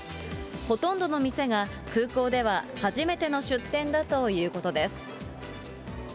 ほとんどの店が空港では初めての出店だということです。